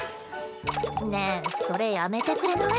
ねえそれやめてくれない？